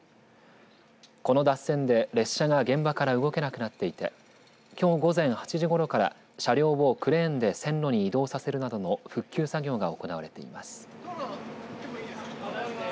この脱線で、列車が現場から動けなくなっていてきょう午前８時ごろから車両をクレーンで線路に動作するなどの復旧作業が行われています。